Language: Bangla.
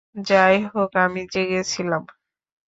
যাই হোক, আমি জেগে ছিলাম।